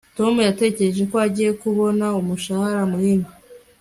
tom yatekereje ko agiye kubona umushahara munini